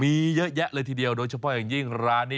มีเยอะแยะเลยทีเดียวโดยเฉพาะอย่างยิ่งร้านนี้